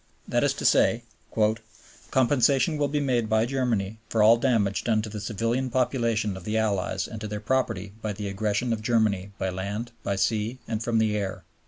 That is to say, "compensation will be made by Germany for all damage done to the civilian population of the Allies and to their property by the aggression of Germany by land, by sea, and from the air."